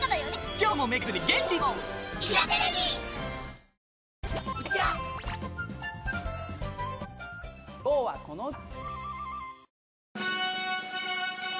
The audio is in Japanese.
今日はこの歌。